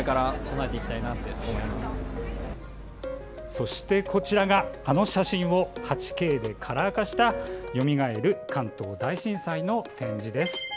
そしてこちらがあの写真を８Ｋでカラー化した「よみがえる関東大震災」の展示です。